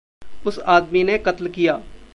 उस आदमी ने कत्ल किया।